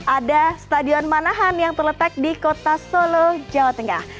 ada stadion manahan yang terletak di kota solo jawa tengah